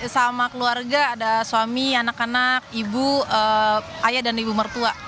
sama keluarga ada suami anak anak ibu ayah dan ibu mertua